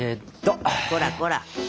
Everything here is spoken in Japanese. こらこら。